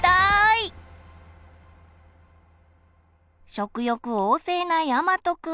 食欲旺盛なやまとくん。